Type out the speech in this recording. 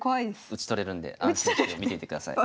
打ち取れるんで安心して見ていてください。